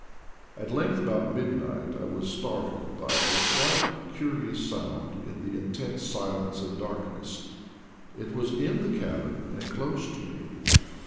At length, about midnight, I was startled by a slight curious sound in the intense silence and darkness. It was in the cabin and close to me.